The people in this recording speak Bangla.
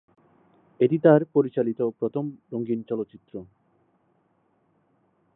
এটি তার পরিচালিত প্রথম রঙিন চলচ্চিত্র।